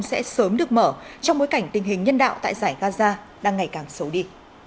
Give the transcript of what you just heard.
sẽ sớm được mở trong bối cảnh tình hình nhân đạo tại giải gaza đang ngày càng xấu đi